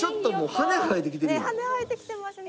羽生えてきてますね。